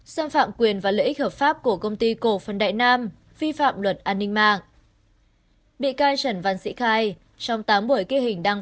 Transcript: xâm phạm quyền và lợi ích hợp pháp của công ty cổ phần đại nam vi phạm luật an ninh mạng